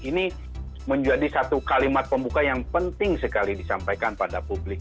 ini menjadi satu kalimat pembuka yang penting sekali disampaikan pada publik